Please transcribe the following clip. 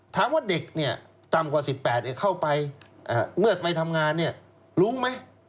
ถามว่าเด็กเนี่ยต่ำกว่า๑๘เข้าไปเมื่อไม่ทำงานเนี่ยรู้ไหม